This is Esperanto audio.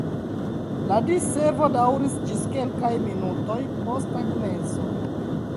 La Diservo daŭris ĝis kelkaj minutoj post tagmezo.